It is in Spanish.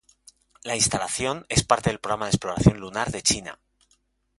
La instalación, es parte del programa de Exploración Lunar de China.